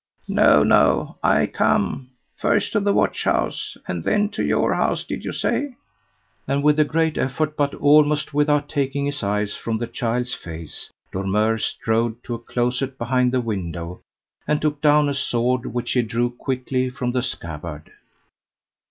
"No, no, I come first to the watch house, and then to your house, did you say?" And with a great effort, but almost without taking his eyes from the child's face, Dormeur strode to a closet beside the window, and took down a sword, which he drew quickly from the scabbard.